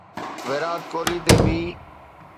ويرات ڪوهلي تي بي